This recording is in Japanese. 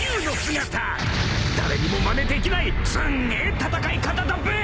［誰にもまねできないすんげえ戦い方だべ！］